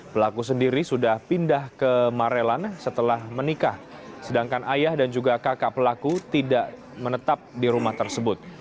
pelaku sendiri sudah pindah ke marelan setelah menikah sedangkan ayah dan juga kakak pelaku tidak menetap di rumah tersebut